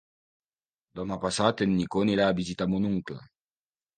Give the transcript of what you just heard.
Demà passat en Nico anirà a visitar mon oncle.